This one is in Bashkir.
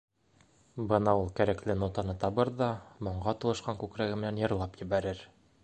Бына ул кәрәкле нотаны табыр ҙа, моңға тулышҡан күкрәге менән йырлап ебәрер.